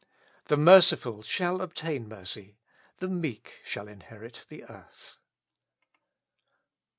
The merciful shall obtain mercy ; the meek shall inherit the earth.